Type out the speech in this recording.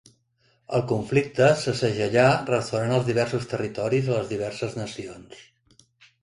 El conflicte se segellà restaurant els diversos territoris a les diverses nacions.